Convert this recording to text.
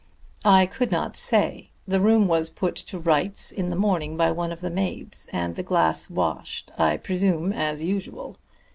"I could not say. The room was put to rights in the morning by one of the maids, and the glass washed, I presume, as usual.